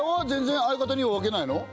全然相方には分けないの？